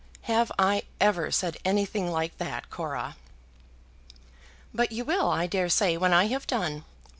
"Have I ever said anything like that, Cora?" "But you will, I dare say, when I have done.